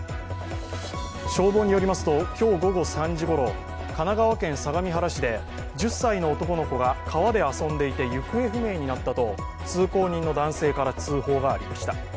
消防によりますと、今日午後３時ごろ、神奈川県相模原市で１０歳の男の子が川で遊んでいて行方不明になったと通行人の男性から通報がありました。